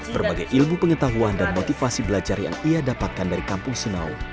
berbagai ilmu pengetahuan dan motivasi belajar yang ia dapatkan dari kampung senau